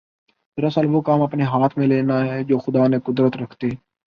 دراصل وہ کام اپنے ہاتھ میں لینا ہے جوخدا نے قدرت رکھتے